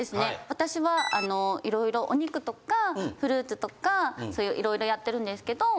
私はいろいろお肉とかフルーツとかそういういろいろやってるんですけど。